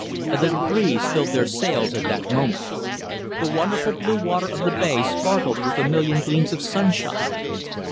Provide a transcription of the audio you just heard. A little breeze filled their sails at that moment. The wonderful blue water of the bay sparkled with a million gleams of sunshine.